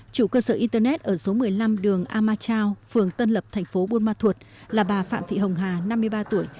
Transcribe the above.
chủ cơ sở internet ở số một mươi năm đường a ma chao phường tân lập thành phố buôn ma thuột là bà phạm thị hồng hà năm mươi ba tuổi